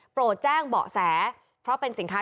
โปรดแจ้งเบาะแส